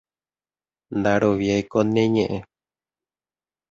ndaroviáiko ne ñe'ẽ